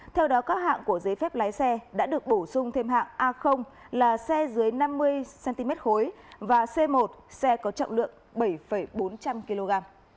theo đó các hạng của giấy phép lái xe đã được bổ sung thêm hạng a là xe dưới năm mươi cm khối và c một xe có trọng lượng bảy bốn trăm linh kg